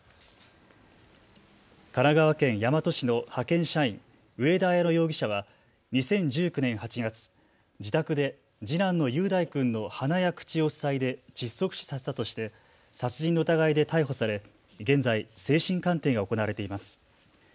神奈川県大和市の派遣社員、上田綾乃容疑者は２０１９年８月、自宅で次男の雄大君の鼻や口を塞いで窒息死させたとして殺人の疑いで逮捕され現在、精神鑑定が行われています。